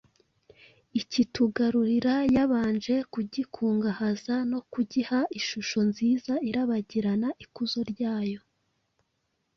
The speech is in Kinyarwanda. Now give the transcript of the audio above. ikitugarurira yabanje kugikungahaza no kugiha ishusho nziza irabagirana ikuzo ryayo.